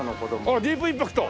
あらディープインパクト！